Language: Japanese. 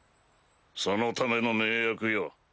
そのための盟約よ。